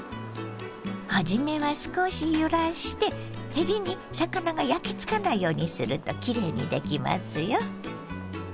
初めは少し揺らしてへりに魚が焼きつかないようにするときれいにできますよ。